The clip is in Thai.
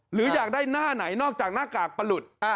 หรืออยากได้หน้าไหนนอกจากหน้ากากประหลุด